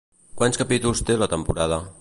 Quants capítols té la temporada?